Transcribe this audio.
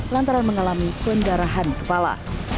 lantaran mengalami pendarahan kepala